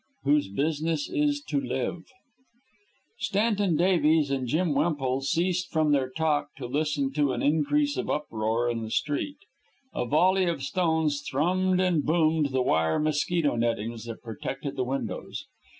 WHOSE BUSINESS IS TO LIVE Stanton Davies and Jim Wemple ceased from their talk to listen to an increase of uproar in the street. A volley of stones thrummed and boomed the wire mosquito nettings that protected the windows.